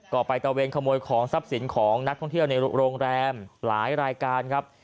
ก็ไปตะเวนขโมยของทรัพย์สินของนักท่องเที่ยวในโรงแรมหลายรายการครับ